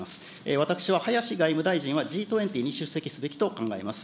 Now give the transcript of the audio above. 私は林外務大臣は、Ｇ２０に出席すべきと考えます。